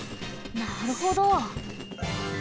なるほど！